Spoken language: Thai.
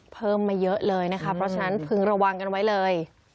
เพิ่มมาเยอะเลยนะคะเพราะฉะนั้นพึงระวังกันไว้เลย